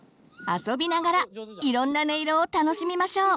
あそびながらいろんな音色を楽しみましょう。